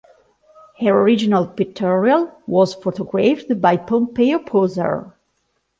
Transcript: Her original pictorial was photographed by Pompeo Posar.